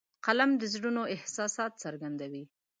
قلم د زړونو احساسات څرګندوي